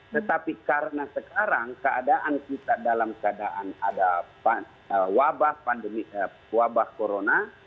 tetapi karena sekarang keadaan kita dalam keadaan ada wabah corona